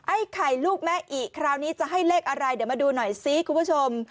ไอ้ไข่ลูกแม่อิคราวนี้จะให้เลขอะไรเดี๋ยวมาดูหน่อยซิคุณผู้ชม